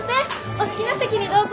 お好きな席にどうぞ。